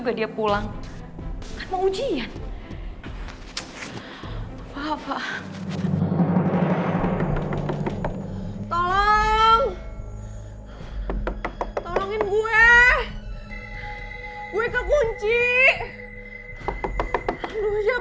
yaudah lah lo jangan samain gue sama